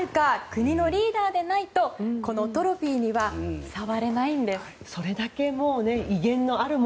国のリーダーでないとこのトロフィーには触れないんです。